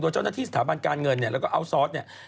เจ้าหน้าที่สถาบันการเงินเนี่ยแล้วก็เอาซอสเนี่ย